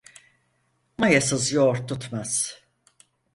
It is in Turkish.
Mayasız yoğurt tutmaz.